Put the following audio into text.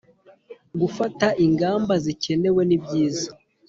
gufata ingamba zikenewe nibyiza